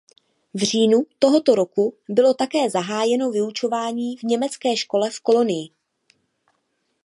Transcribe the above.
V říjnu tohoto roku bylo také zahájeno vyučování v německé škole v Kolonii.